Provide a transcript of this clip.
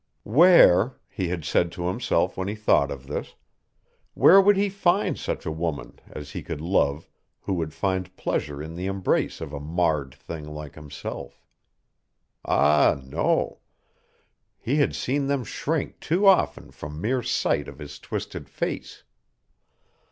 Where, he had said to himself when he thought of this, where would he find such a woman as he could love who would find pleasure in the embrace of a marred thing like himself? Ah, no. He had seen them shrink too often from mere sight of his twisted face.